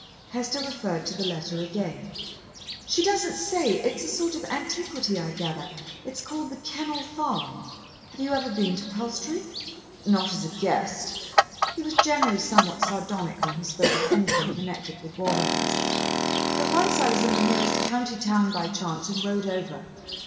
Hester referred to the letter again. "She doesn't say. It is a sort of antiquity, I gather. It's called The Kennel Farm. Have you ever been to Palstrey?" "Not as a guest." He was generally somewhat sardonic when he spoke of anything connected with Walderhurst. "But once I was in the nearest county town by chance and rode over.